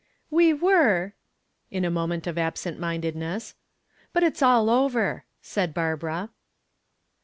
"We were" in a moment of absent mindedness. "But it's all over," said Barbara.